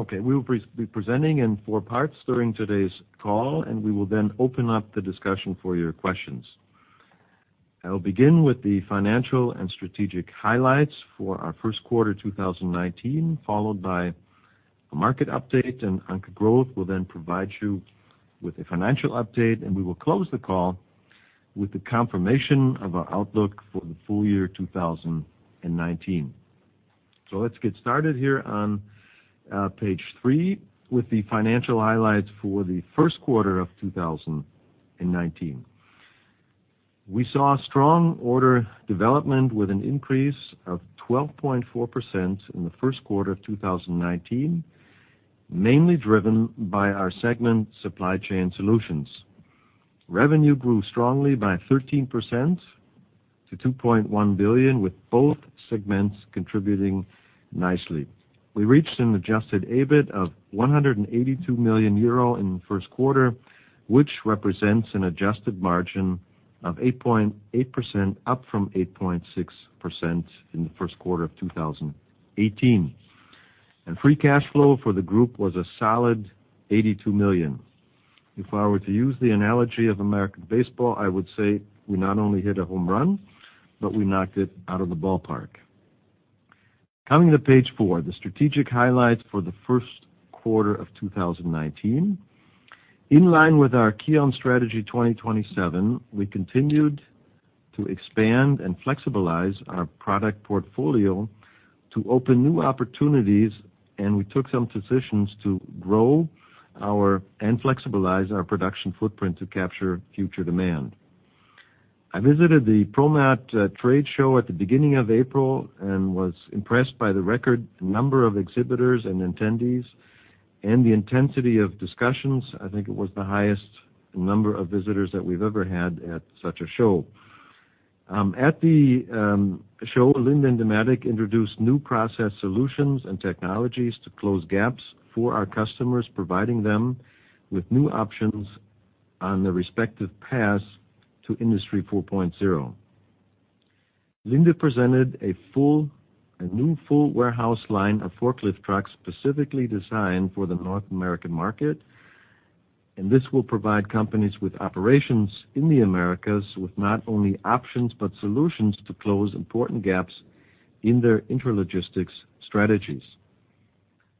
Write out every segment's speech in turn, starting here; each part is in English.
Okay. We will be presenting in four parts during today's call, and we will then open up the discussion for your questions. I'll begin with the financial and strategic highlights for our first quarter 2019, followed by a market update, and Anke Groth will then provide you with a financial update, and we will close the call with the confirmation of our outlook for the full year 2019. Let's get started here on page three with the financial highlights for the first quarter of 2019. We saw strong order development with an increase of 12.4% in the first quarter of 2019, mainly driven by our segment, supply chain solutions. Revenue grew strongly by 13% to 2.1 billion, with both segments contributing nicely. We reached an adjusted EBIT of 182 million euro in the first quarter, which represents an adjusted margin of 8.8%, up from 8.6% in the first quarter of 2018. Free cash flow for the group was a solid 82 million. If I were to use the analogy of American baseball, I would say we not only hit a home run, but we knocked it out of the ballpark. Coming to page four, the strategic highlights for the first quarter of 2019. In line with our KION Strategy 2027, we continued to expand and flexibilize our product portfolio to open new opportunities, and we took some positions to grow and flexibilize our production footprint to capture future demand. I visited the ProMat trade show at the beginning of April and was impressed by the record number of exhibitors and attendees and the intensity of discussions. I think it was the highest number of visitors that we've ever had at such a show. At the show, Linde and Dematic introduced new process solutions and technologies to close gaps for our customers, providing them with new options on their respective paths to Industry 4.0. Linde presented a new full warehouse line of forklift trucks specifically designed for the North American market, and this will provide companies with operations in the Americas with not only options but solutions to close important gaps in their intralogistics strategies.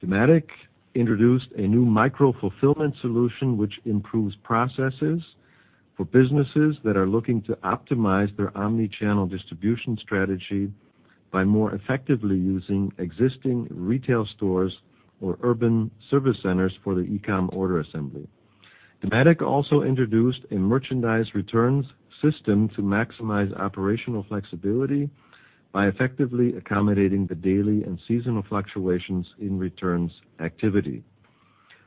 Dematic introduced a new micro-fulfillment solution, which improves processes for businesses that are looking to optimize their omnichannel distribution strategy by more effectively using existing retail stores or urban service centers for the e-comm order assembly. Dematic also introduced a merchandise returns system to maximize operational flexibility by effectively accommodating the daily and seasonal fluctuations in returns activity.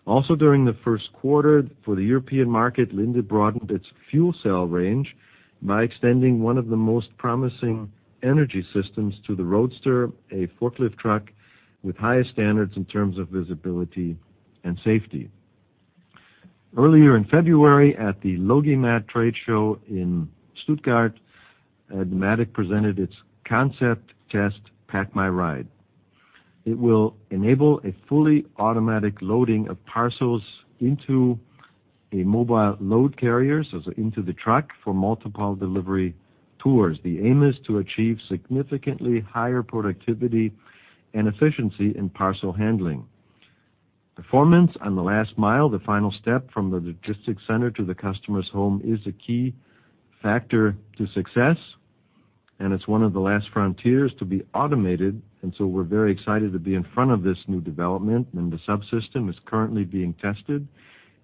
Also, during the first quarter for the European market, Linde broadened its fuel cell range by extending one of the most promising energy systems to the Roadster, a forklift truck with highest standards in terms of visibility and safety. Earlier in February, at the LogiMAT trade show in Stuttgart, Dematic presented its concept test PackMyRide. It will enable a fully automatic loading of parcels into a mobile load carrier, so into the truck for multiple delivery tours. The aim is to achieve significantly higher productivity and efficiency in parcel handling. Performance on the last mile, the final step from the logistics center to the customer's home, is a key factor to success, and it's one of the last frontiers to be automated. We are very excited to be in front of this new development, and the subsystem is currently being tested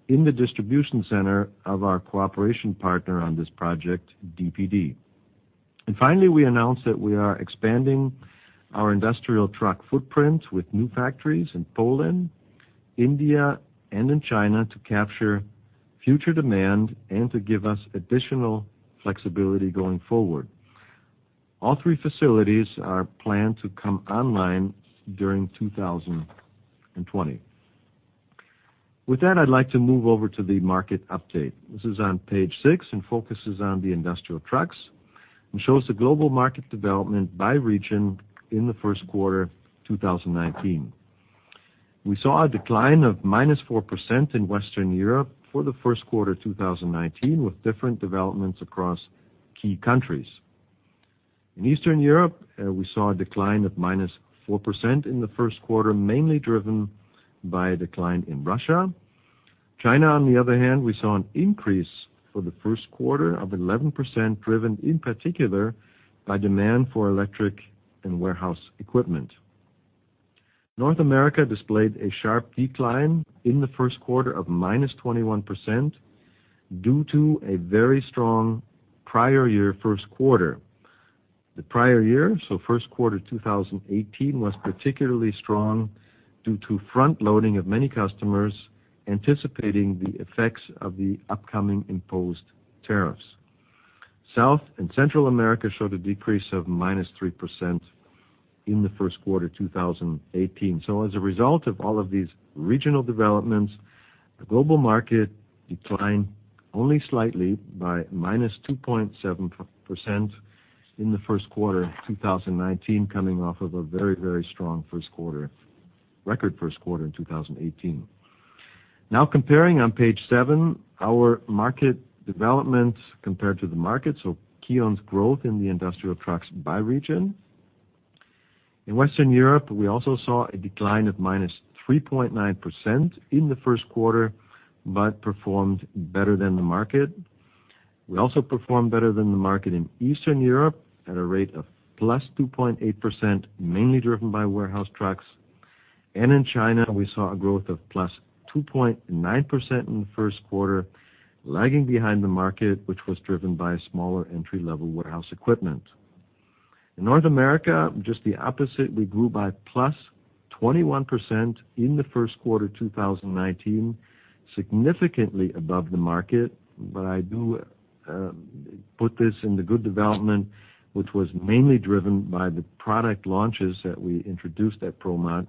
in the distribution center of our cooperation partner on this project, DPD. Finally, we announced that we are expanding our industrial truck footprint with new factories in Poland, India, and in China to capture future demand and to give us additional flexibility going forward. All three facilities are planned to come online during 2020. With that, I'd like to move over to the market update. This is on page six and focuses on the industrial trucks and shows the global market development by region in the first quarter 2019. We saw a decline of -4% in Western Europe for the first quarter 2019, with different developments across key countries. In Eastern Europe, we saw a decline of -4% in the first quarter, mainly driven by a decline in Russia. China, on the other hand, we saw an increase for the first quarter of 11%, driven in particular by demand for electric and warehouse equipment. North America displayed a sharp decline in the first quarter of -21% due to a very strong prior year first quarter. The prior year, so first quarter 2018, was particularly strong due to front-loading of many customers anticipating the effects of the upcoming imposed tariffs. South and Central America showed a decrease of -3% in the first quarter 2018. As a result of all of these regional developments, the global market declined only slightly by -2.7% in the first quarter 2019, coming off of a very, very strong first quarter, record first quarter in 2018. Now comparing on page seven, our market development compared to the market, so KION's growth in the industrial trucks by region. In Western Europe, we also saw a decline of -3.9% in the first quarter but performed better than the market. We also performed better than the market in Eastern Europe at a rate of +2.8%, mainly driven by warehouse trucks. In China, we saw a growth of +2.9% in the first quarter, lagging behind the market, which was driven by smaller entry-level warehouse equipment. In North America, just the opposite. We grew by +21% in the first quarter 2019, significantly above the market. I do put this in the good development, which was mainly driven by the product launches that we introduced at ProMat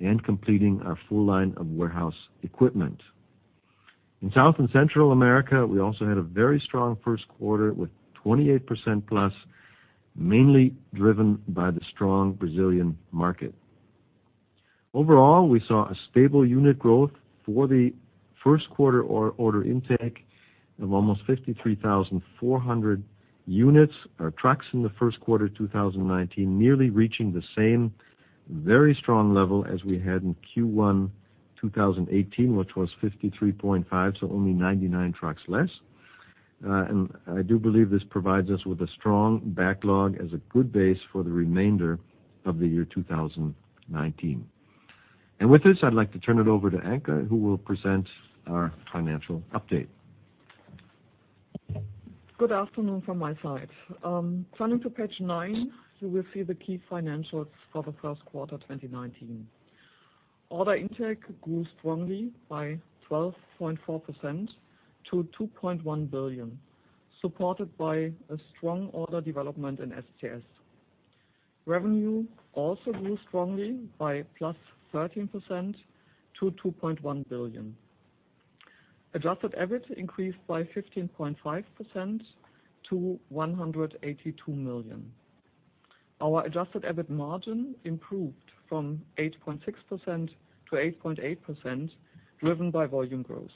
and completing our full line of warehouse equipment. In South and Central America, we also had a very strong first quarter with 28%+, mainly driven by the strong Brazilian market. Overall, we saw a stable unit growth for the first quarter order intake of almost 53,400 units or trucks in the first quarter 2019, nearly reaching the same very strong level as we had in Q1 2018, which was 53,500, so only 99 trucks less. I do believe this provides us with a strong backlog as a good base for the remainder of the year 2019. With this, I'd like to turn it over to Anke, who will present our financial update. Good afternoon from my side. Turning to page nine, you will see the key financials for the first quarter 2019. Order intake grew strongly by 12.4% to 2.1 billion, supported by a strong order development in SCS. Revenue also grew strongly by +13% to 2.1 billion. Adjusted EBIT increased by 15.5% to 182 million. Our adjusted EBIT margin improved from 8.6% to 8.8%, driven by volume growth.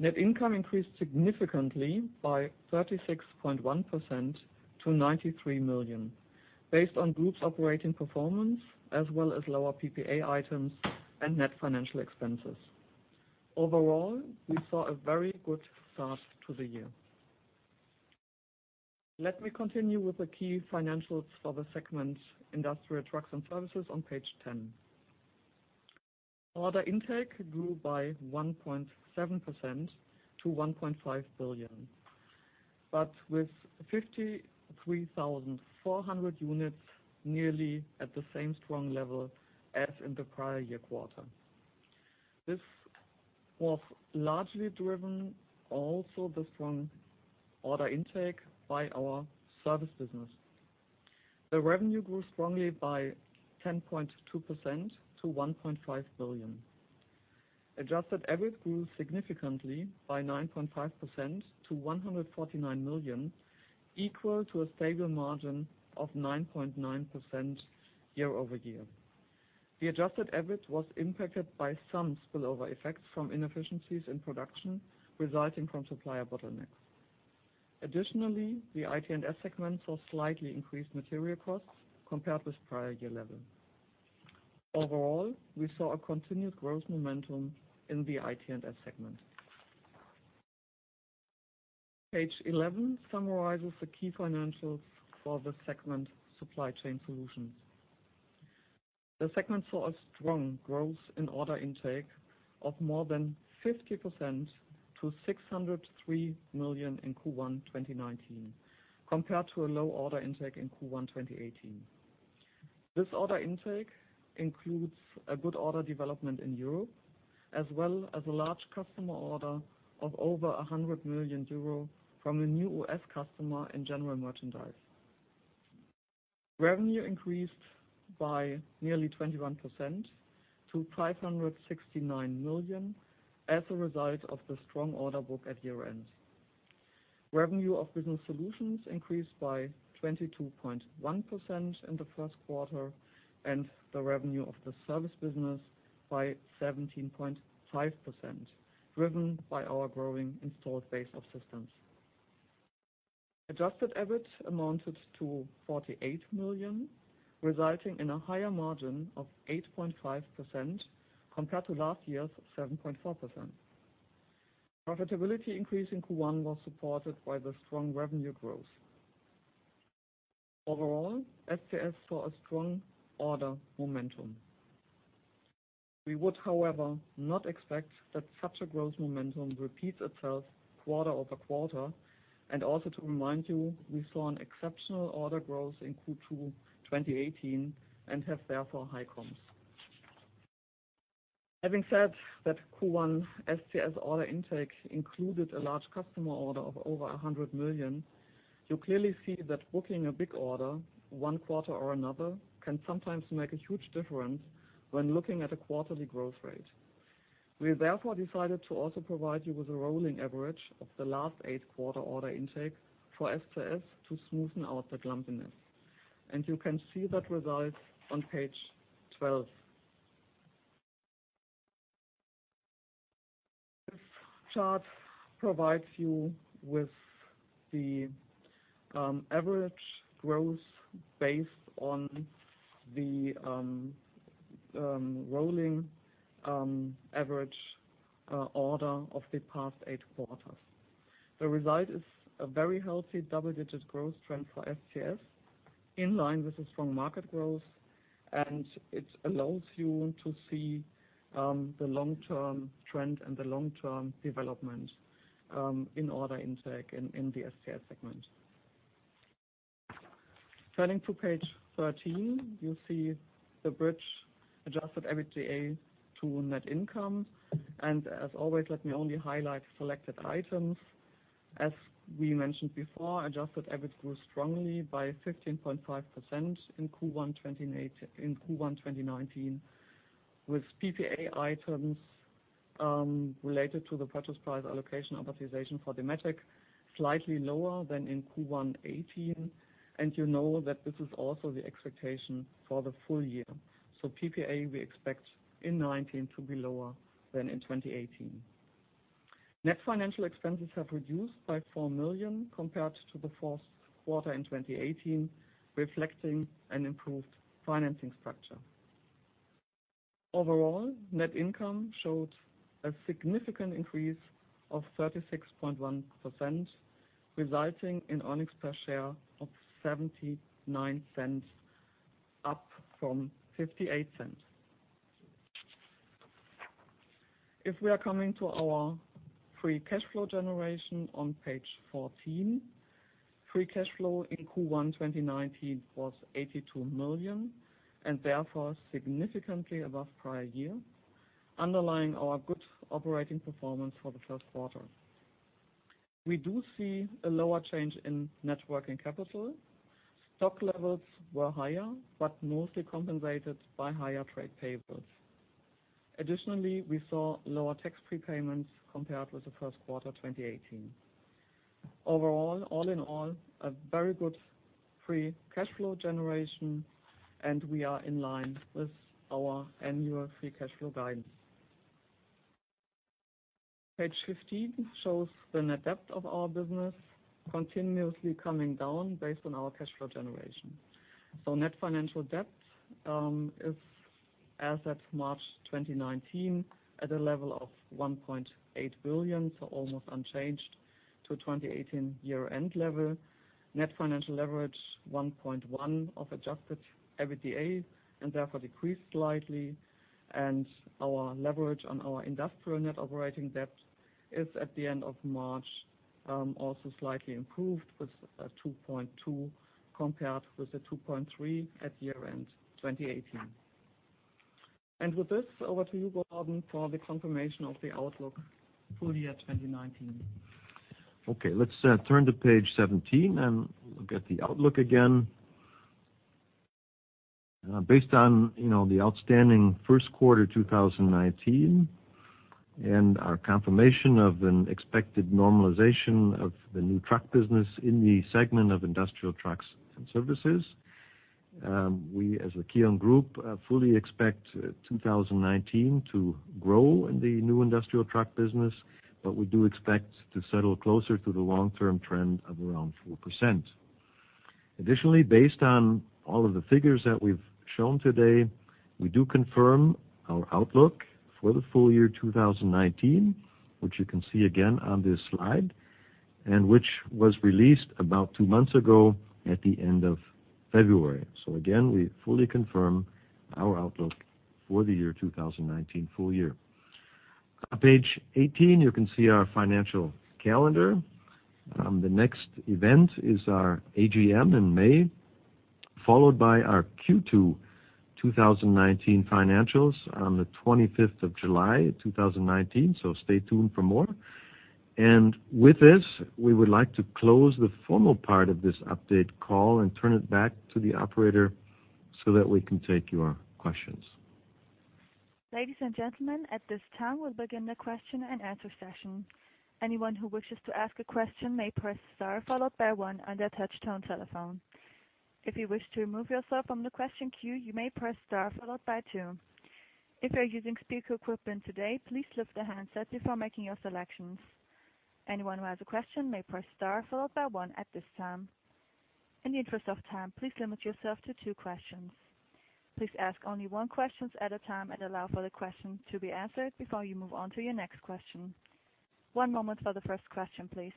Net income increased significantly by 36.1% to 93 million, based on group's operating performance as well as lower PPA and net financial expenses. Overall, we saw a very good start to the year. Let me continue with the key financials for the segment, Industrial Trucks and Services, on page ten. Order intake grew by 1.7% to 1.5 billion, but with 53,400 units, nearly at the same strong level as in the prior year quarter. This was largely driven also by the strong order intake by our service business. The revenue grew strongly by 10.2% to 1.5 billion. Adjusted EBIT grew significantly by 9.5% to 149 million, equal to a stable margin of 9.9% year-over-year. The adjusted EBIT was impacted by some spillover effects from inefficiencies in production resulting from supplier bottlenecks. Additionally, the IT&S segment saw slightly increased material costs compared with prior year level. Overall, we saw a continued growth momentum in the IT&S segment. Page 11 summarizes the key financials for the segment, supply chain solutions. The segment saw a strong growth in order intake of more than 50% to 603 million in Q1 2019, compared to a low order intake in Q1 2018. This order intake includes a good order development in Europe, as well as a large customer order of over 100 million euro from a new U.S. customer in general merchandise. Revenue increased by nearly 21% to 569 million as a result of the strong order book at year-end. Revenue of business solutions increased by 22.1% in the first quarter and the revenue of the service business by 17.5%, driven by our growing installed base of systems. Adjusted EBIT amounted to 48 million, resulting in a higher margin of 8.5% compared to last year's 7.4%. Profitability increase in Q1 was supported by the strong revenue growth. Overall, SCS saw a strong order momentum. We would, however, not expect that such a growth momentum repeats itself quarter-over-quarter. Also to remind you, we saw an exceptional order growth in Q2 2018 and have therefore high comps. Having said that Q1 SCS order intake included a large customer order of over 100 million, you clearly see that booking a big order, one quarter or another, can sometimes make a huge difference when looking at a quarterly growth rate. We therefore decided to also provide you with a rolling average of the last eight quarter order intake for SCS to smoothen out the lumpiness. You can see that result on page 12. This chart provides you with the average growth based on the rolling average order of the past eight quarters. The result is a very healthy double-digit growth trend for SCS in line with the strong market growth, and it allows you to see the long-term trend and the long-term development in order intake in the SCS segment. Turning to page 13, you see the bridge adjusted EBITDA to net income. As always, let me only highlight selected items. As we mentioned before, adjusted EBIT grew strongly by 15.5% in Q1 2019, with PPA items related to the purchase price allocation amortization for Dematic slightly lower than in Q1 2018. You know that this is also the expectation for the full year. PPA we expect in 2019 to be lower than in 2018. Net financial expenses have reduced by 4 million compared to the fourth quarter in 2018, reflecting an improved financing structure. Overall, net income showed a significant increase of 36.1%, resulting in earnings per share of 0.79, up from 0.58. If we are coming to our free cash flow generation on page 14, free cash flow in Q1 2019 was 82 million and therefore significantly above prior year, underlying our good operating performance for the first quarter. We do see a lower change in net working capital. Stock levels were higher but mostly compensated by higher trade payables. Additionally, we saw lower tax prepayments compared with the first quarter 2018. Overall, all in all, a very good free cash flow generation, and we are in line with our annual free cash flow guidance. Page 15 shows the net debt of our business continuously coming down based on our cash flow generation. Net financial debt is, as at March 2019, at a level of 1.8 billion, so almost unchanged to 2018 year-end level. Net financial leverage 1.1 of adjusted EBITDA and therefore decreased slightly. Our leverage on our industrial net operating debt is, at the end of March, also slightly improved with 2.2 compared with the 2.3 at year-end 2018. With this, over to you, Gordon, for the confirmation of the outlook full year 2019. Okay. Let's turn to page 17 and look at the outlook again. Based on the outstanding first quarter 2019 and our confirmation of an expected normalization of the new truck business in the segment of industrial trucks and services, we, as the KION Group, fully expect 2019 to grow in the new industrial truck business, but we do expect to settle closer to the long-term trend of around 4%. Additionally, based on all of the figures that we've shown today, we do confirm our outlook for the full year 2019, which you can see again on this slide and which was released about two months ago at the end of February. We fully confirm our outlook for the year 2019 full year. On page 18, you can see our financial calendar. The next event is our AGM in May, followed by our Q2 2019 financials on the 25th of July 2019. Stay tuned for more. With this, we would like to close the formal part of this update call and turn it back to the operator so that we can take your questions. Ladies and gentlemen, at this time, we'll begin the question and answer session. Anyone who wishes to ask a question may press star followed by one on the touch-tone telephone. If you wish to remove yourself from the question queue, you may press star followed by two. If you're using speaker equipment today, please lift the handset before making your selections. Anyone who has a question may press star followed by one at this time. In the interest of time, please limit yourself to two questions. Please ask only one question at a time and allow for the question to be answered before you move on to your next question. One moment for the first question, please.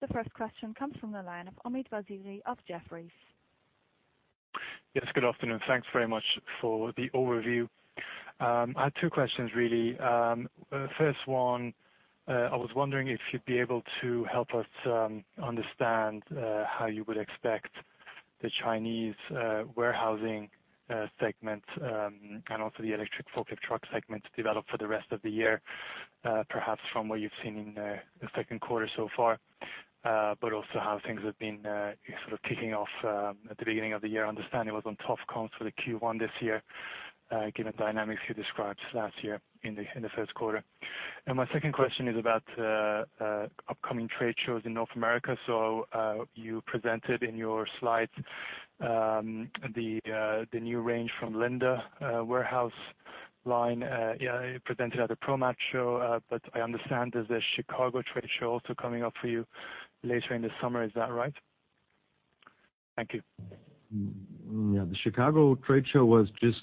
The first question comes from the line of Omid Vaziri of Jefferies. Yes, good afternoon. Thanks very much for the overview. I had two questions, really. First one, I was wondering if you'd be able to help us understand how you would expect the Chinese warehousing segment and also the electric forklift truck segment to develop for the rest of the year, perhaps from what you've seen in the second quarter so far, but also how things have been sort of kicking off at the beginning of the year. I understand it was on tough comp for the Q1 this year, given dynamics you described last year in the first quarter. My second question is about upcoming trade shows in North America. You presented in your slides the new range from Linde Warehouse line presented at the ProMat show, but I understand there's a Chicago trade show also coming up for you later in the summer. Is that right? Thank you. Yeah. The Chicago trade show just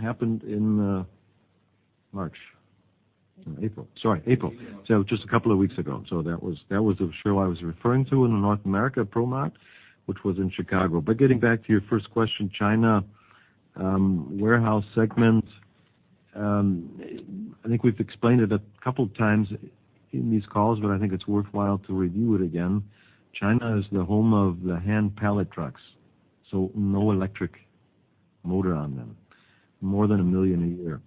happened in March. April. Sorry, April. Just a couple of weeks ago. That was the show I was referring to in North America, ProMat, which was in Chicago. Getting back to your first question, China warehouse segment, I think we've explained it a couple of times in these calls, but I think it's worthwhile to review it again. China is the home of the hand pallet trucks, so no electric motor on them, more than a million a year.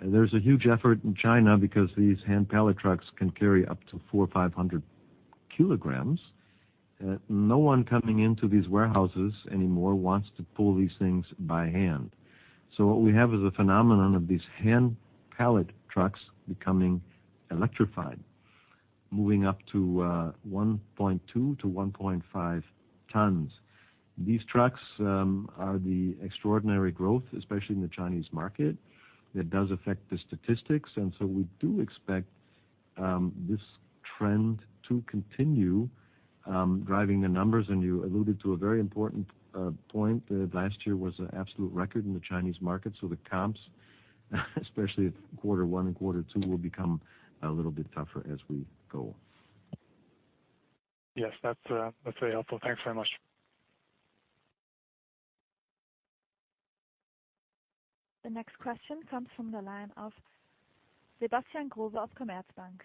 There's a huge effort in China because these hand pallet trucks can carry up to 400 kg-500 kg. No one coming into these warehouses anymore wants to pull these things by hand. What we have is a phenomenon of these hand pallet trucks becoming electrified, moving up to 1.2 tons-1.5 tons. These trucks are the extraordinary growth, especially in the Chinese market. That does affect the statistics. We do expect this trend to continue driving the numbers. You alluded to a very important point. Last year was an absolute record in the Chinese market. The comps, especially at quarter one and quarter two, will become a little bit tougher as we go. Yes, that's very helpful. Thanks very much. The next question comes from the line of Sebastian Growe of Commerzbank.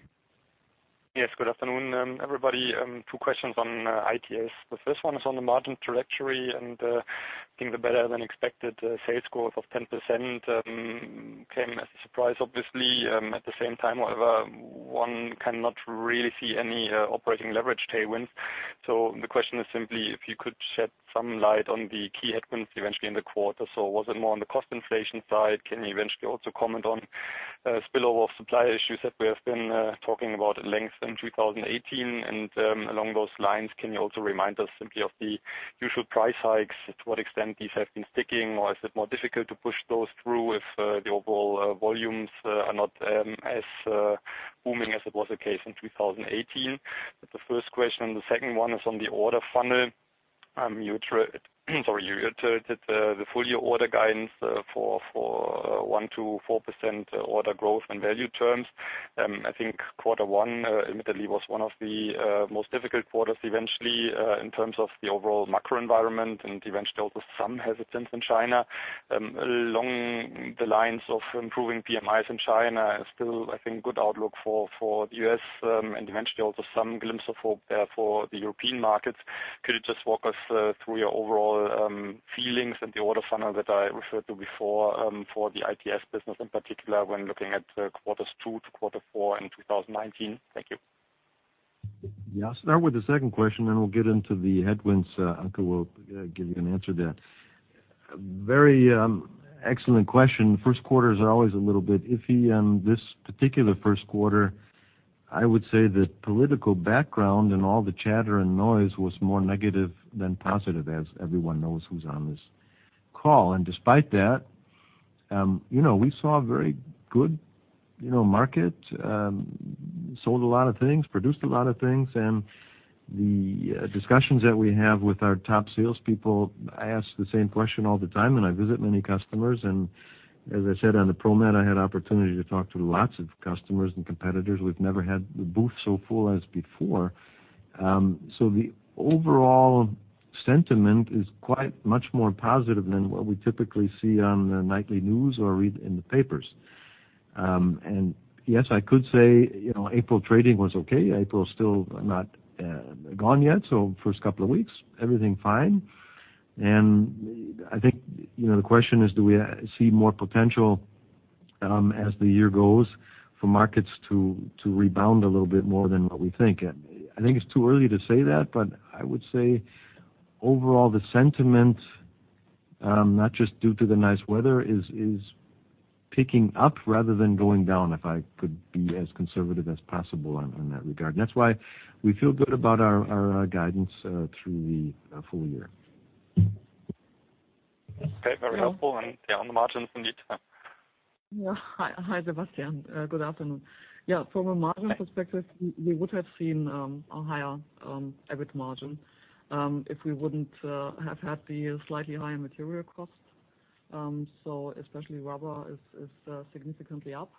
Yes, good afternoon, everybody. Two questions on ITS. The first one is on the margin trajectory and I think the better-than-expected sales growth of 10% came as a surprise, obviously. At the same time, however, one cannot really see any operating leverage tailwinds. The question is simply if you could shed some light on the key headwinds eventually in the quarter. Was it more on the cost inflation side? Can you eventually also comment on spillover supply issues that we have been talking about at length in 2018? Along those lines, can you also remind us simply of the usual price hikes? To what extent these have been sticking, or is it more difficult to push those through if the overall volumes are not as booming as it was the case in 2018? The first question. The second one is on the order funnel. Sorry, you iterated the full year order guidance for 1%-4% order growth in value terms. I think quarter one admittedly was one of the most difficult quarters eventually in terms of the overall macro environment and eventually also some hesitance in China. Along the lines of improving PMIs in China is still, I think, a good outlook for the U.S. and eventually also some glimpse of hope there for the European markets. Could you just walk us through your overall feelings and the order funnel that I referred to before for the ITS business in particular when looking at quarters two to quarter four in 2019? Thank you. Yeah. I'll start with the second question, then we'll get into the headwinds until we'll give you an answer to that. Very excellent question. First quarters are always a little bit iffy. This particular first quarter, I would say the political background and all the chatter and noise was more negative than positive, as everyone knows who's on this call. Despite that, we saw a very good market, sold a lot of things, produced a lot of things. The discussions that we have with our top salespeople, I ask the same question all the time, and I visit many customers. As I said on the ProMat, I had the opportunity to talk to lots of customers and competitors. We've never had the booth so full as before. The overall sentiment is quite much more positive than what we typically see on the nightly news or read in the papers. Yes, I could say April trading was okay. April is still not gone yet. First couple of weeks, everything fine. I think the question is, do we see more potential as the year goes for markets to rebound a little bit more than what we think? I think it's too early to say that, but I would say overall the sentiment, not just due to the nice weather, is picking up rather than going down, if I could be as conservative as possible in that regard. That's why we feel good about our guidance through the full year. Okay. Very helpful. And yeah, on the margins indeed. Yeah. Hi, Sebastian. Good afternoon. Yeah. From a margin perspective, we would have seen a higher EBIT margin if we would not have had the slightly higher material costs. Especially rubber is significantly up.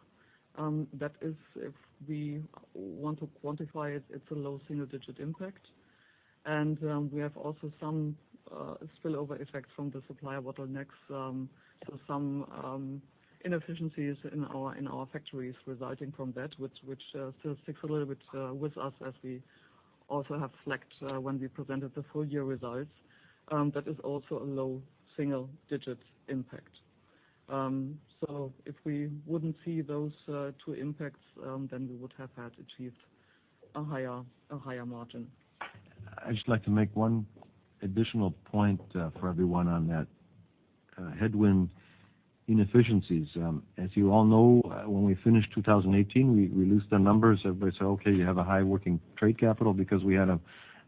That is, if we want to quantify it, it is a low single-digit impact. We have also some spillover effects from the supply bottlenecks, so some inefficiencies in our factories resulting from that, which still sticks a little bit with us as we also have flagged when we presented the full year results. That is also a low single-digit impact. If we would not see those two impacts, then we would have achieved a higher margin. I'd just like to make one additional point for everyone on that headwind inefficiencies. As you all know, when we finished 2018, we released our numbers. Everybody said, "Okay, you have a high working trade capital," because we had a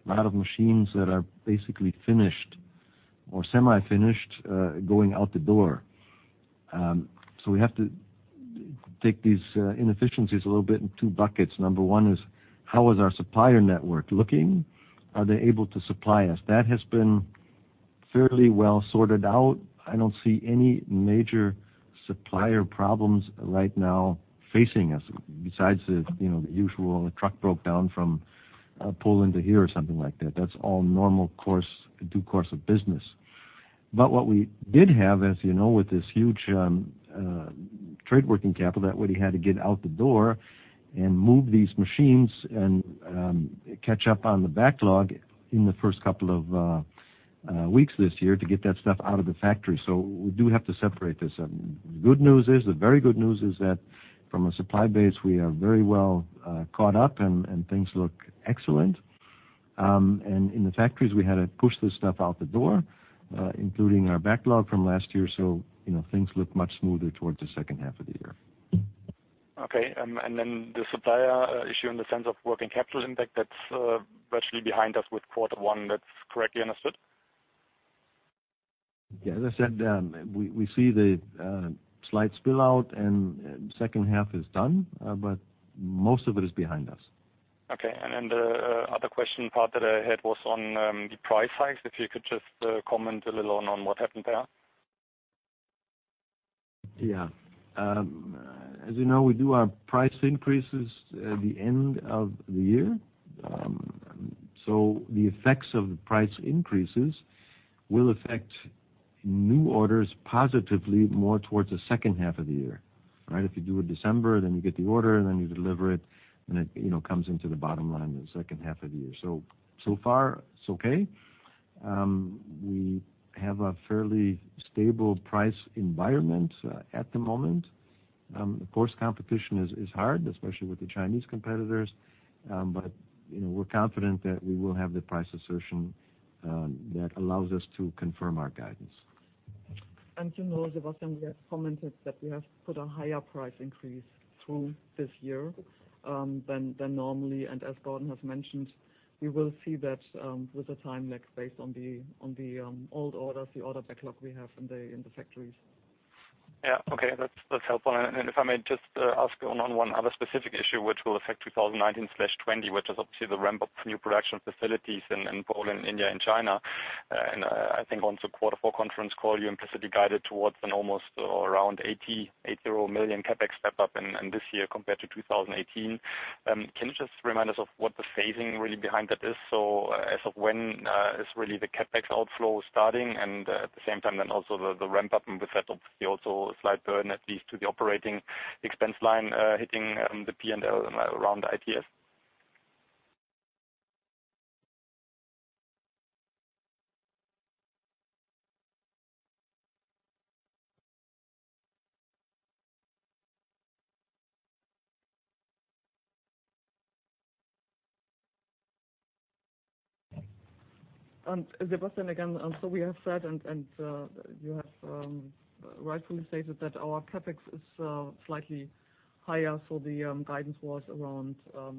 lot of machines that are basically finished or semi-finished going out the door. We have to take these inefficiencies a little bit in two buckets. Number one is, how is our supplier network looking? Are they able to supply us? That has been fairly well sorted out. I don't see any major supplier problems right now facing us besides the usual truck broke down from Poland to here or something like that. That's all normal course due course of business. What we did have, as you know, with this huge trade working capital, is that we had to get out the door and move these machines and catch up on the backlog in the first couple of weeks this year to get that stuff out of the factory. We do have to separate this. The good news is, the very good news is that from a supply base, we are very well caught up and things look excellent. In the factories, we had to push this stuff out the door, including our backlog from last year. Things look much smoother towards the second half of the year. Okay. The supplier issue in the sense of working capital impact, that's virtually behind us with quarter one. That's correctly understood? Yeah. As I said, we see the slight spillout and the second half is done, but most of it is behind us. Okay. The other question part that I had was on the price hikes. If you could just comment a little on what happened there. Yeah. As you know, we do our price increases at the end of the year. The effects of the price increases will affect new orders positively more towards the second half of the year, right? If you do it December, then you get the order, then you deliver it, then it comes into the bottom line in the second half of the year. So far, it's okay. We have a fairly stable price environment at the moment. Of course, competition is hard, especially with the Chinese competitors. We're confident that we will have the price assertion that allows us to confirm our guidance. You know, Sebastian, we have commented that we have put a higher price increase through this year than normally. As Gordon has mentioned, we will see that with a time lag based on the old orders, the order backlog we have in the factories. Yeah. Okay. That's helpful. If I may just ask on one other specific issue, which will affect 2019/2020, which is obviously the ramp-up for new production facilities in Poland, India, and China. I think once the quarter four conference call, you implicitly guided towards an almost around 80 million CapEx step-up in this year compared to 2018. Can you just remind us of what the phasing really behind that is? As of when is really the CapEx outflow starting? At the same time, then also the ramp-up with that obviously also slight burden at least to the operating expense line hitting the P&L around ITS? Sebastian, again, we have said and you have rightfully stated that our CapEx is slightly higher. The guidance was around 4%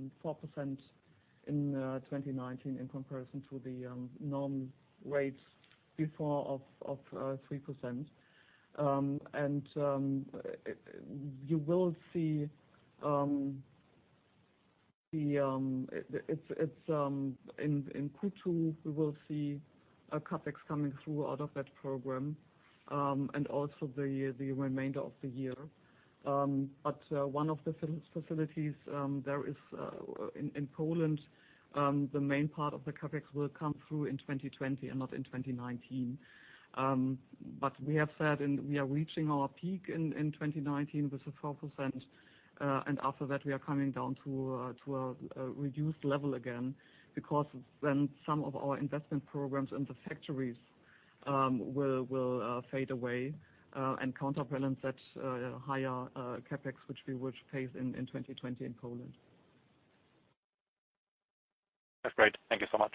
in 2019 in comparison to the normal rates before of 3%. You will see that in Q2, we will see CapEx coming through out of that program and also the remainder of the year. One of the facilities there is in Poland, and the main part of the CapEx will come through in 2020 and not in 2019. We have said we are reaching our peak in 2019 with the 4%, and after that, we are coming down to a reduced level again because then some of our investment programs in the factories will fade away and counterbalance that higher CapEx, which we would face in 2020 in Poland. That's great. Thank you so much.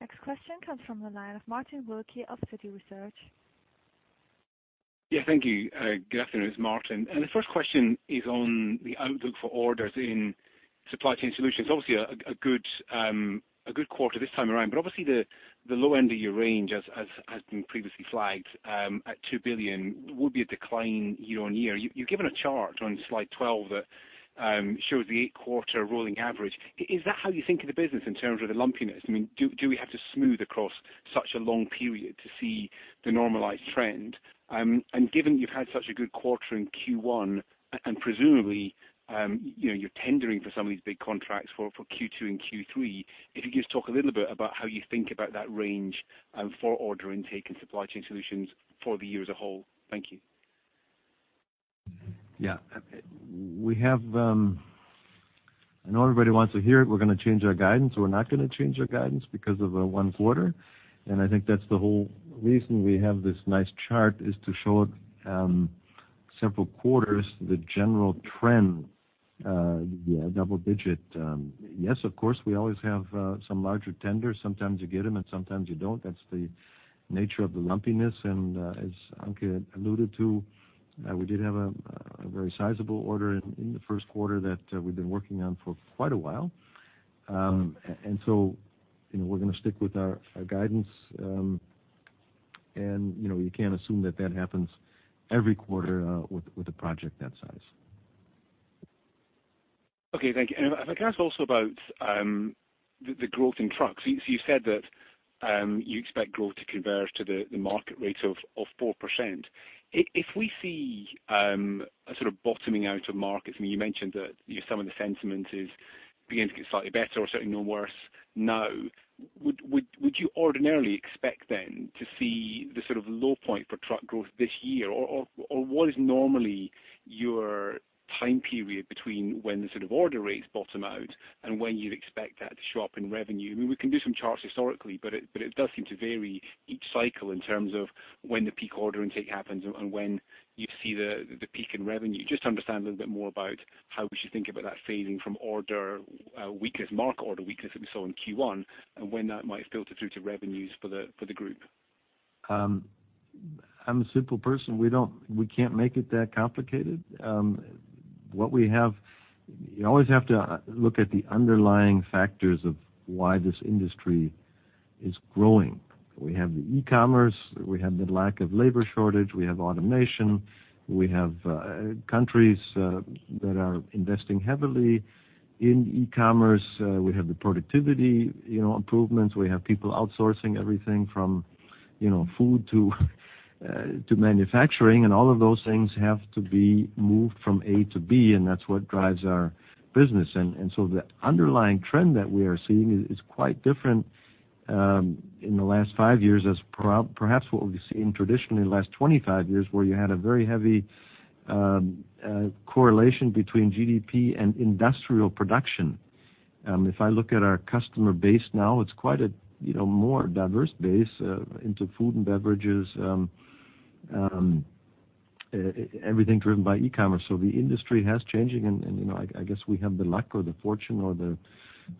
Next question comes from the line of Martin Wilkie of Citi Research. Yeah. Thank you. Good afternoon, it's Martin. The first question is on the outlook for orders in supply chain solutions. Obviously, a good quarter this time around, but obviously the low end of your range, as has been previously flagged at 2 billion, would be a decline year-on-year. You've given a chart on slide 12 that shows the eight-quarter rolling average. Is that how you think of the business in terms of the lumpiness? I mean, do we have to smooth across such a long period to see the normalized trend? Given you've had such a good quarter in Q1 and presumably you're tendering for some of these big contracts for Q2 and Q3, if you could just talk a little bit about how you think about that range for order intake and supply chain solutions for the year as a whole. Thank you. Yeah. We have I know everybody wants to hear it. We're going to change our guidance. We're not going to change our guidance because of one quarter. I think that's the whole reason we have this nice chart is to show several quarters the general trend, the double-digit. Yes, of course, we always have some larger tenders. Sometimes you get them and sometimes you don't. That's the nature of the lumpiness. As Anke alluded to, we did have a very sizable order in the first quarter that we've been working on for quite a while. We're going to stick with our guidance. You can't assume that that happens every quarter with a project that size. Okay. Thank you. If I can ask also about the growth in trucks. You said that you expect growth to converge to the market rate of 4%. If we see a sort of bottoming out of markets, I mean, you mentioned that some of the sentiment is beginning to get slightly better or certainly no worse now. Would you ordinarily expect then to see the sort of low point for truck growth this year? What is normally your time period between when the sort of order rates bottom out and when you'd expect that to show up in revenue? I mean, we can do some charts historically, but it does seem to vary each cycle in terms of when the peak order intake happens and when you see the peak in revenue. Just to understand a little bit more about how we should think about that phasing from order weakness, marked order weakness that we saw in Q1 and when that might filter through to revenues for the group. I'm a simple person. We can't make it that complicated. What we have, you always have to look at the underlying factors of why this industry is growing. We have the e-commerce. We have the lack of labor shortage. We have automation. We have countries that are investing heavily in e-commerce. We have the productivity improvements. We have people outsourcing everything from food to manufacturing. All of those things have to be moved from A to B. That's what drives our business. The underlying trend that we are seeing is quite different in the last five years as perhaps what we've seen traditionally in the last 25 years where you had a very heavy correlation between GDP and industrial production. If I look at our customer base now, it's quite a more diverse base into food and beverages, everything driven by e-commerce. The industry has changed. I guess we have the luck or the fortune or the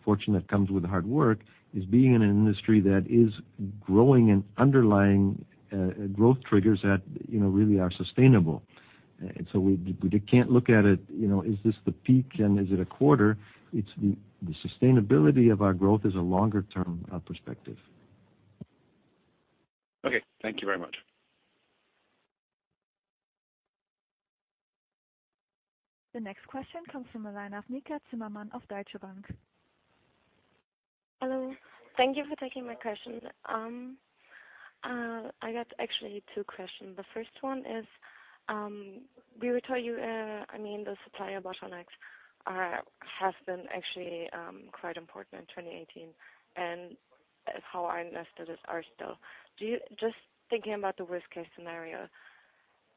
fortune that comes with hard work is being in an industry that is growing and underlying growth triggers that really are sustainable. We can't look at it, is this the peak and is it a quarter? It's the sustainability of our growth is a longer-term perspective. Okay. Thank you very much. The next question comes from the line of Nika Zimmermann of Deutsche Bank. Hello. Thank you for taking my question. I got actually two questions. The first one is we were told you, I mean, the supplier bottlenecks have been actually quite important in 2018 and how our investors are still. Just thinking about the worst-case scenario,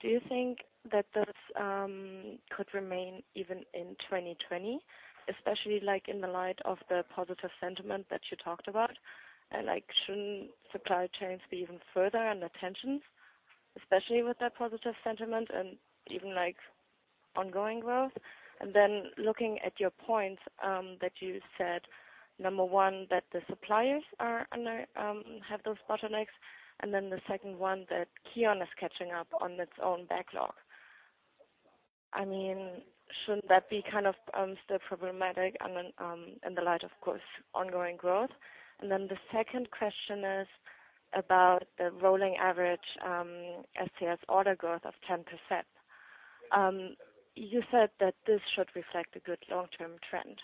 do you think that those could remain even in 2020, especially in the light of the positive sentiment that you talked about? Shouldn't supply chains be even further under tensions, especially with that positive sentiment and even ongoing growth? Looking at your points that you said, number one, that the suppliers have those bottlenecks, and then the second one that KION is catching up on its own backlog. I mean, shouldn't that be kind of still problematic in the light of, of course, ongoing growth? The second question is about the rolling average SCS order growth of 10%. You said that this should reflect a good long-term trend.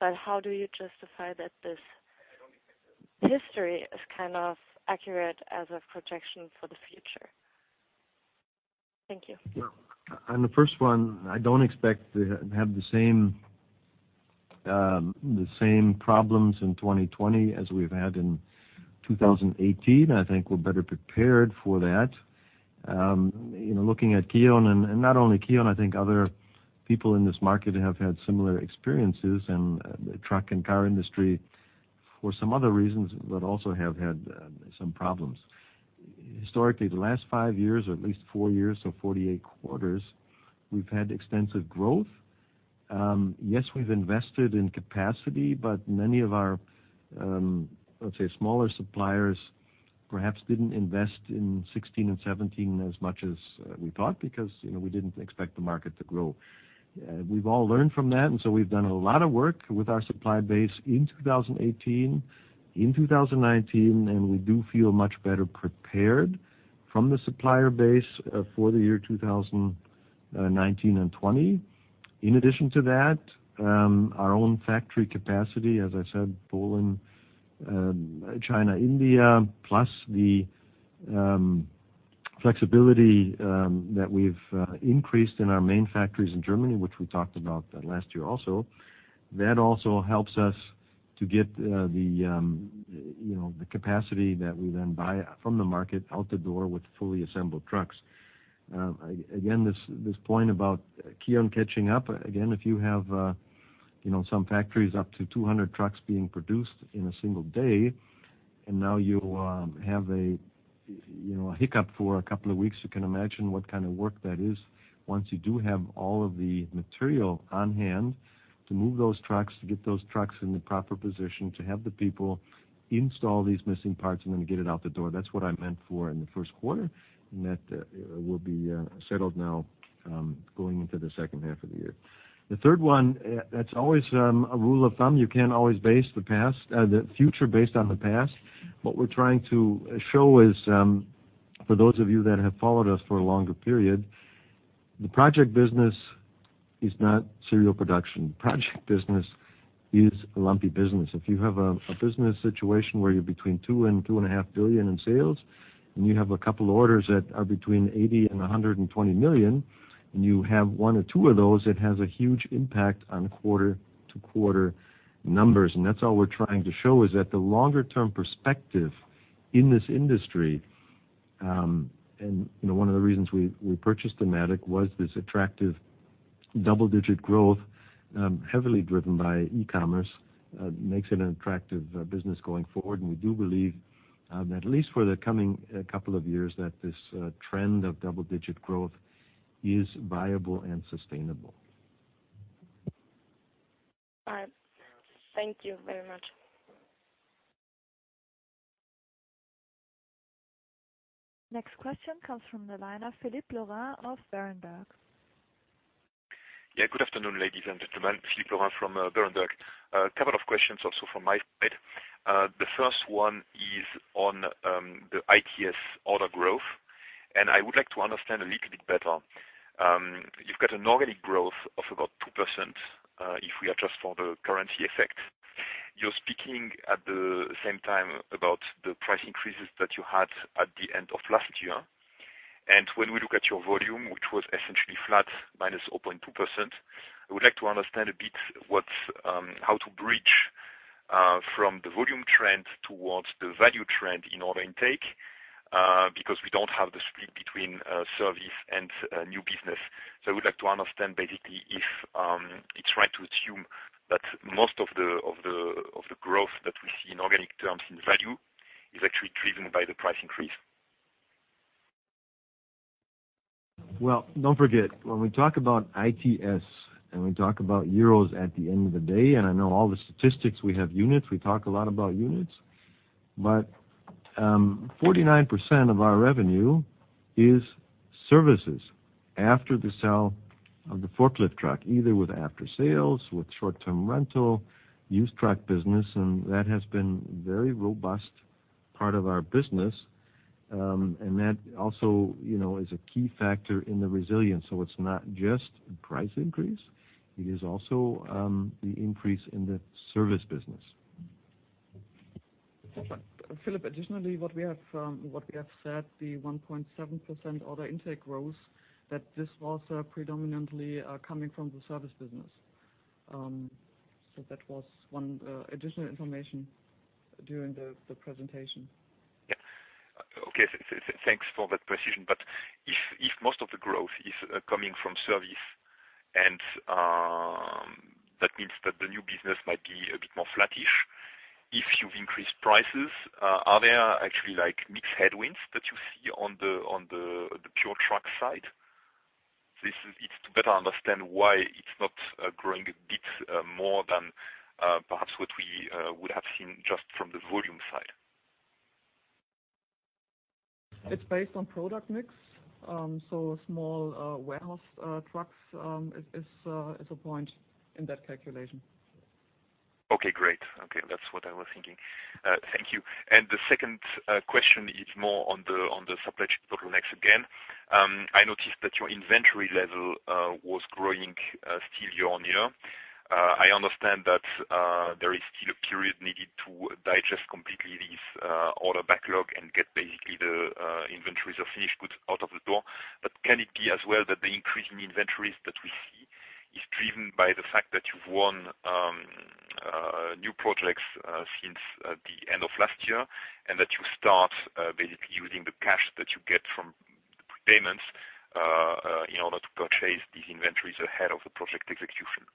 How do you justify that this history is kind of accurate as a projection for the future? Thank you. On the first one, I do not expect to have the same problems in 2020 as we have had in 2018. I think we are better prepared for that. Looking at KION, and not only KION, I think other people in this market have had similar experiences in the truck and car industry for some other reasons but also have had some problems. Historically, the last five years or at least four years, so 48 quarters, we have had extensive growth. Yes, we have invested in capacity, but many of our, let's say, smaller suppliers perhaps did not invest in 2016 and 2017 as much as we thought because we did not expect the market to grow. We have all learned from that. We have done a lot of work with our supply base in 2018, in 2019, and we do feel much better prepared from the supplier base for the year 2019 and 2020. In addition to that, our own factory capacity, as I said, Poland, China, India, plus the flexibility that we've increased in our main factories in Germany, which we talked about last year also, that also helps us to get the capacity that we then buy from the market out the door with fully assembled trucks. Again, this point about KION catching up, again, if you have some factories up to 200 trucks being produced in a single day and now you have a hiccup for a couple of weeks, you can imagine what kind of work that is once you do have all of the material on hand to move those trucks, to get those trucks in the proper position, to have the people install these missing parts and then get it out the door. That's what I meant for in the first quarter and that will be settled now going into the second half of the year. The third one, that's always a rule of thumb. You can't always base the future based on the past. What we're trying to show is for those of you that have followed us for a longer period, the project business is not serial production. The project business is a lumpy business. If you have a business situation where you're between 2 billion and 2.5 billion in sales and you have a couple of orders that are between 80 million and 120 million, and you have one or two of those, it has a huge impact on quarter-to-quarter numbers. That is all we are trying to show is that the longer-term perspective in this industry, and one of the reasons we purchased Dematic was this attractive double-digit growth heavily driven by e-commerce, makes it an attractive business going forward. We do believe that at least for the coming couple of years that this trend of double-digit growth is viable and sustainable. All right. Thank you very much. Next question comes from the line of Philippe Lorrain of Berenberg. Yeah. Good afternoon, ladies and gentlemen. Philippe Lorrain from Berenberg. A couple of questions also from my side. The first one is on the ITS order growth. I would like to understand a little bit better. You've got an organic growth of about 2% if we adjust for the currency effect. You're speaking at the same time about the price increases that you had at the end of last year. When we look at your volume, which was essentially flat -0.2%, I would like to understand a bit how to bridge from the volume trend towards the value trend in order intake because we don't have the split between service and new business. I would like to understand basically if it's right to assume that most of the growth that we see in organic terms in value is actually driven by the price increase. Do not forget, when we talk about ITS and we talk about euros at the end of the day, and I know all the statistics, we have units, we talk a lot about units, but 49% of our revenue is services after the sale of the forklift truck, either with after-sales, with short-term rental, used truck business, and that has been a very robust part of our business. That also is a key factor in the resilience. It is not just price increase. It is also the increase in the service business. Philippe, additionally, what we have said, the 1.7% order intake growth, that this was predominantly coming from the service business. That was one additional information during the presentation. Yeah. Okay. Thanks for that precision. If most of the growth is coming from service and that means that the new business might be a bit more flattish, if you've increased prices, are there actually mixed headwinds that you see on the pure truck side? It's to better understand why it's not growing a bit more than perhaps what we would have seen just from the volume side. It's based on product mix. Small warehouse trucks is a point in that calculation. Okay. Great. Okay. That's what I was thinking. Thank you. The second question is more on the supply chain bottlenecks again. I noticed that your inventory level was growing still year on year. I understand that there is still a period needed to digest completely this order backlog and get basically the inventories of finished goods out of the door. Can it be as well that the increase in inventories that we see is driven by the fact that you've won new projects since the end of last year and that you start basically using the cash that you get from payments in order to purchase these inventories ahead of the project execution?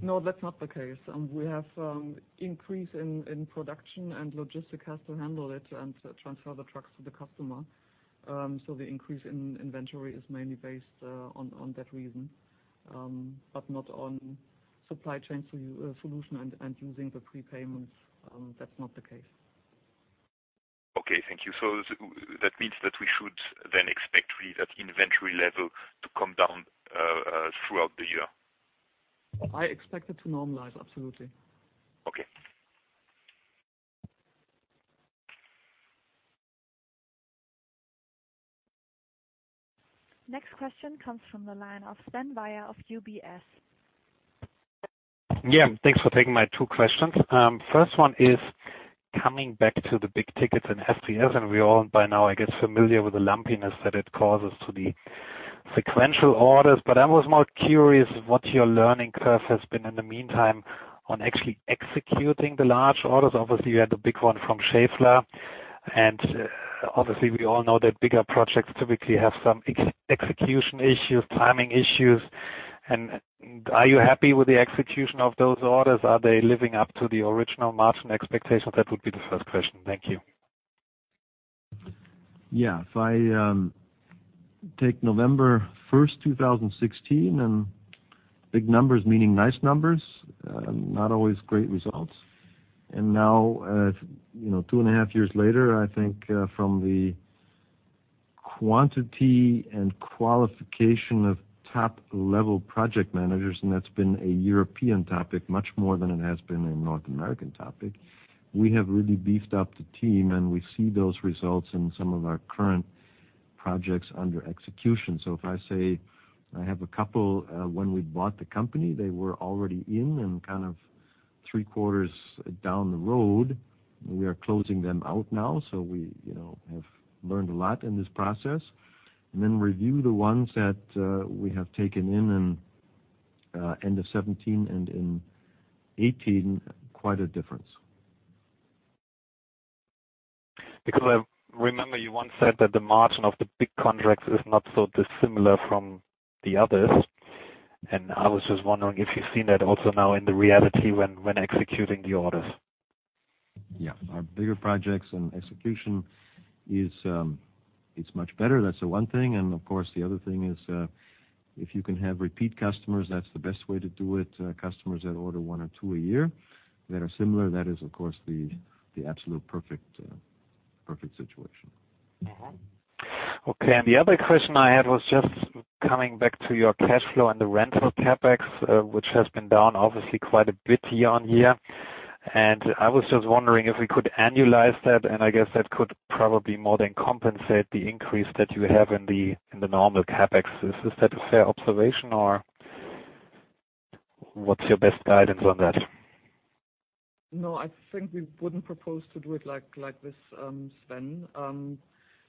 No, that's not the case. We have increase in production, and logistics has to handle it and transfer the trucks to the customer. The increase in inventory is mainly based on that reason, but not on supply chain solution and using the prepayments. That's not the case. Okay. Thank you. That means that we should then expect really that inventory level to come down throughout the year? I expect it to normalize. Absolutely. Okay. Next question comes from the line of Sven Weier of UBS. Yeah. Thanks for taking my two questions. First one is coming back to the big tickets and SCS, and we're all by now, I guess, familiar with the lumpiness that it causes to the sequential orders. I was more curious what your learning curve has been in the meantime on actually executing the large orders. Obviously, you had the big one from Schaeffler. Obviously, we all know that bigger projects typically have some execution issues, timing issues. Are you happy with the execution of those orders? Are they living up to the original margin expectations? That would be the first question. Thank you. Yeah. I take November 1, 2016, and big numbers meaning nice numbers, not always great results. Now, two and a half years later, I think from the quantity and qualification of top-level project managers, and that's been a European topic much more than it has been a North American topic, we have really beefed up the team, and we see those results in some of our current projects under execution. If I say I have a couple when we bought the company, they were already in and kind of three quarters down the road. We are closing them out now. We have learned a lot in this process. Then review the ones that we have taken in at the end of 2017 and in 2018, quite a difference. Because, remember you once said that the margin of the big contracts is not so dissimilar from the others. I was just wondering if you've seen that also now in the reality when executing the orders. Yeah. Our bigger projects and execution is much better. That is the one thing. Of course, the other thing is if you can have repeat customers, that is the best way to do it. Customers that order one or two a year that are similar, that is, of course, the absolute perfect situation. Okay. The other question I had was just coming back to your cash flow and the rental CapEx, which has been down obviously quite a bit year on year. I was just wondering if we could annualize that, and I guess that could probably more than compensate the increase that you have in the normal CapEx. Is that a fair observation, or what's your best guidance on that? No, I think we wouldn't propose to do it like this, Sven.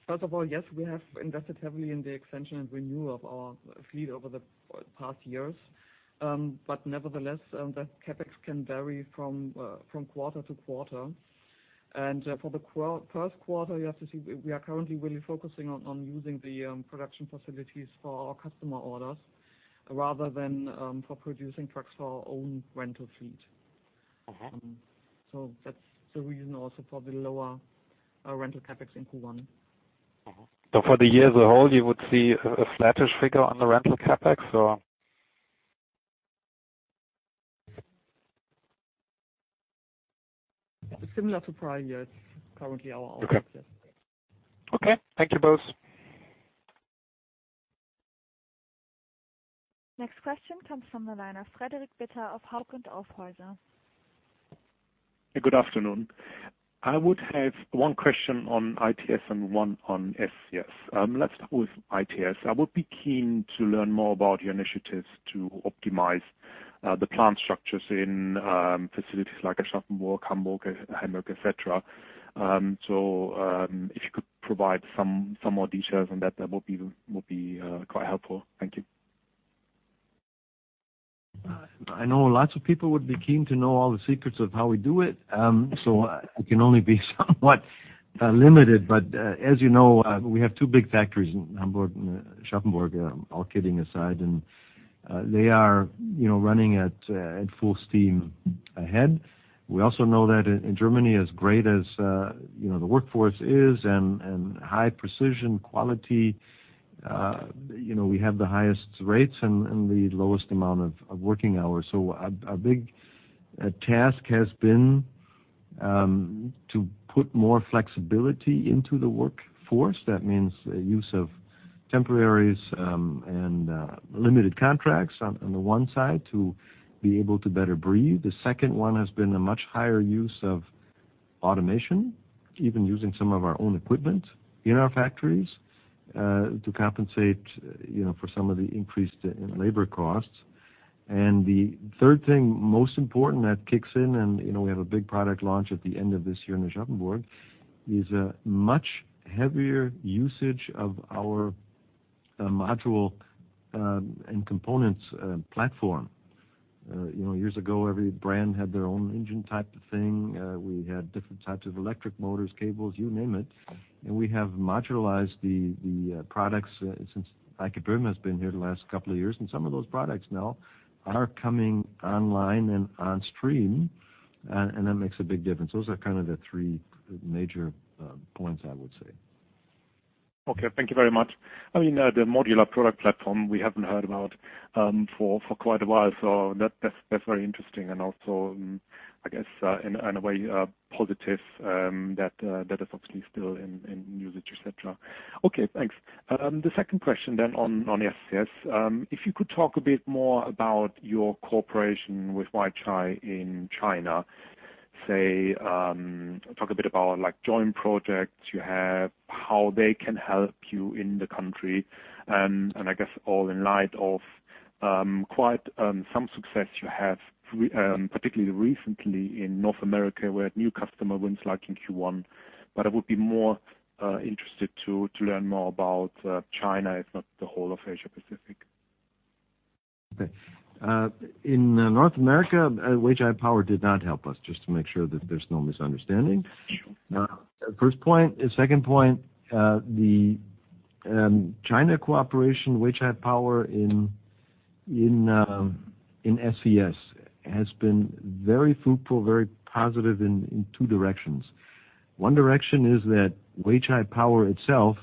First of all, yes, we have invested heavily in the extension and renewal of our fleet over the past years. Nevertheless, the CapEx can vary from quarter-to-quarter. For the first quarter, you have to see we are currently really focusing on using the production facilities for our customer orders rather than for producing trucks for our own rental fleet. That is the reason also for the lower rental CapEx in Q1. For the year as a whole, you would see a flattish figure on the rental CapEx, or? Similar to prior year. It's currently our old CapEx. Okay. Thank you both. Next question comes from the line of Frederik Bitter of Hauck & Aufhäuser. Good afternoon. I would have one question on ITS and one on SCS. Let's start with ITS. I would be keen to learn more about your initiatives to optimize the plant structures in facilities like Aschaffenburg, Hamburg, etc. If you could provide some more details on that, that would be quite helpful. Thank you. I know lots of people would be keen to know all the secrets of how we do it. I can only be somewhat limited. As you know, we have two big factories in Hamburg, Aschaffenburg, all kidding aside, and they are running at full steam ahead. We also know that in Germany, as great as the workforce is and high precision, quality, we have the highest rates and the lowest amount of working hours. A big task has been to put more flexibility into the workforce. That means use of temporaries and limited contracts on the one side to be able to better breathe. The second one has been a much higher use of automation, even using some of our own equipment in our factories to compensate for some of the increased labor costs. The third thing, most important that kicks in, and we have a big product launch at the end of this year in Aschaffenburg, is a much heavier usage of our module and components platform. Years ago, every brand had their own engine type thing. We had different types of electric motors, cables, you name it. We have modularized the products since Eike Böhm has been here the last couple of years. Some of those products now are coming online and on stream, and that makes a big difference. Those are kind of the three major points, I would say. Okay. Thank you very much. I mean, the modular product platform, we haven't heard about for quite a while. That is very interesting and also, I guess, in a way, positive that it's obviously still in usage, etc. Okay. Thanks. The second question then on SCS, if you could talk a bit more about your cooperation with Weichai in China, say, talk a bit about joint projects you have, how they can help you in the country. I guess all in light of quite some success you have, particularly recently in North America where new customer wins like in Q1. I would be more interested to learn more about China, if not the whole of Asia-Pacific. Okay. In North America, Weichai Power did not help us, just to make sure that there's no misunderstanding. The first point. The second point, the China cooperation with Weichai Power in SCS has been very fruitful, very positive in two directions. One direction is that Weichai Power itself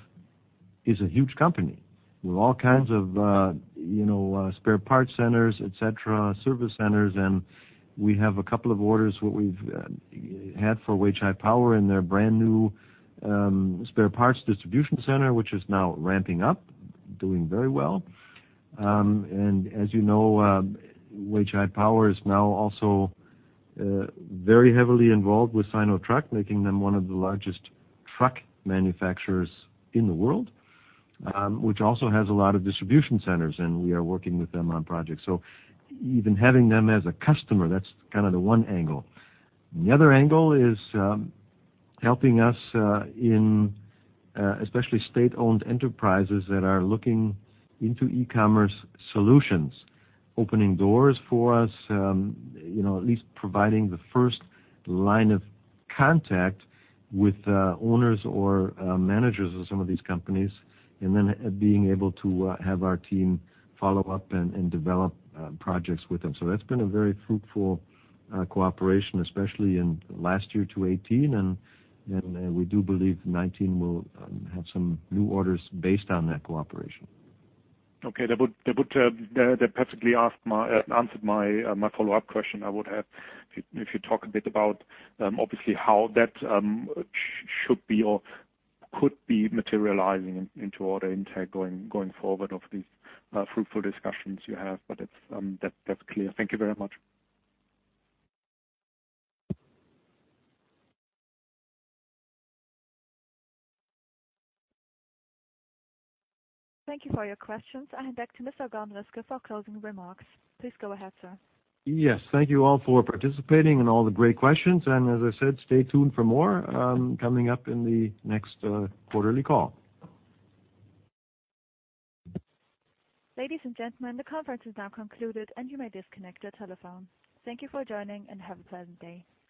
is a huge company with all kinds of spare parts centers, etc., service centers. We have a couple of orders what we've had for Weichai Power in their brand new spare parts distribution center, which is now ramping up, doing very well. As you know, Weichai Power is now also very heavily involved with Sinotruk, making them one of the largest truck manufacturers in the world, which also has a lot of distribution centers, and we are working with them on projects. Even having them as a customer, that's kind of the one angle. The other angle is helping us in especially state-owned enterprises that are looking into e-commerce solutions, opening doors for us, at least providing the first line of contact with owners or managers of some of these companies, and then being able to have our team follow up and develop projects with them. That has been a very fruitful cooperation, especially in last year to 2018. We do believe 2019 will have some new orders based on that cooperation. Okay. That would perfectly answer my follow-up question I would have. If you talk a bit about, obviously, how that should be or could be materializing into order in tech going forward of these fruitful discussions you have. That is clear. Thank you very much. Thank you for your questions. I hand back to Mr. Gordon Riske for closing remarks. Please go ahead, sir. Thank you all for participating and all the great questions. As I said, stay tuned for more coming up in the next quarterly call. Ladies and gentlemen, the conference is now concluded, and you may disconnect your telephone. Thank you for joining, and have a pleasant day. Goodbye.